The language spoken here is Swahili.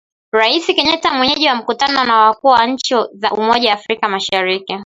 Rais Kenyatta mwenyeji wa mkutano wa wakuu wa nchi za umoja wa afrika mashariki